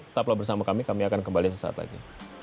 tetap lo bersama kami kami akan kembali sesaat lagi